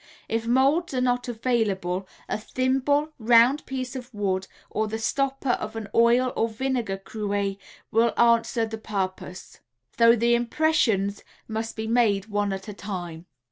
If molds are not available a thimble, round piece of wood, or the stopper of an oil or vinegar cruet will answer the purpose, though the impressions must be made one at a time.